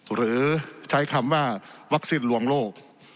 หรือใช้คำว่าวัคซีนลวงโลก